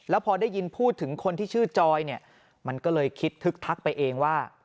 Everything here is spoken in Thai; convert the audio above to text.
แล้วพอได้ยินพูดถึงคนที่ชื่อจอยเนี่ยมันก็เลยคิดทึกทักไปเองว่า